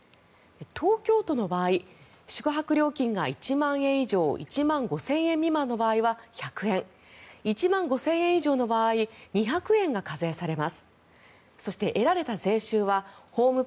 東京都の場合、宿泊料金が１万円以上１万５０００円未満の場合は１００円１万５０００円以上の場合２００円が課税されます。